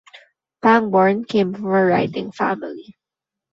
Pangborn came from a writing family.